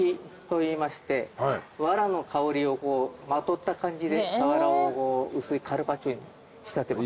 わらの香りをまとった感じでサワラを薄いカルパッチョに仕立てます。